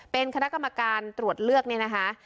เป็นคณะกรรมการตรวจเลือกเนี่ยนะคะ